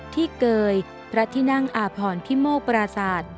ที่เกยพระทินั่งอาพรพิโมกปราสาท